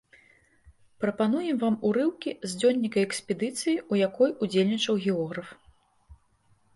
Прапануем вам урыўкі з дзённіка экспедыцыі, у якой удзельнічаў географ.